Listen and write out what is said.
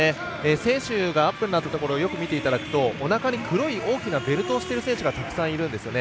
選手がアップになったところをよく見ていただくとおなかに、黒い大きなベルトをしている選手がたくさんいるんですね。